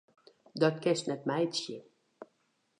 Dat kinst net meitsje!